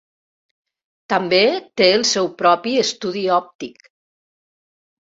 També té el seu propi estudi òptic.